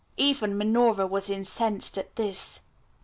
Even Minora was incensed at this.